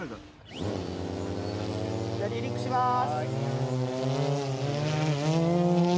じゃあ離陸します！